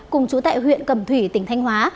cùng chú tại huyện cầm thủy tỉnh thanh hóa